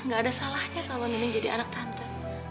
gak ada salahnya kalo nini jadi anak tante